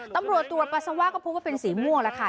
ตำรวจตัวปัสสาวาก็พูดว่าเป็นสีม่วงละค่ะ